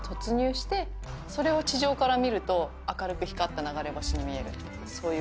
それでそれを地上から見ると明るく光った流れ星に見えるそういう原理です。